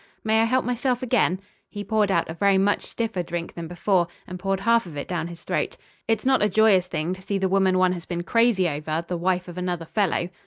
May I help myself again?" He poured out a very much stiffer drink than before, and poured half of it down his throat. "It's not a joyous thing to see the woman one has been crazy over the wife of another fellow."